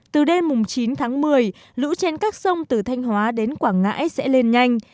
từ đêm chín tháng một mươi lũ trên các sông từ thanh hóa đến quảng ngãi sẽ lên nhanh